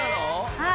はい。